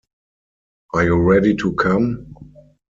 Are you ready to come?